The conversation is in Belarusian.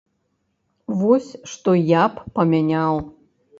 Вось, што я б памяняў.